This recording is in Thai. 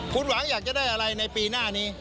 คุณหวังอยากจะได้อะไรในปีหน้านี้